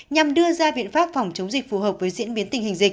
nhằm đưa ra viện phát phòng chống dịch phù hợp với diễn biến tình hình dịch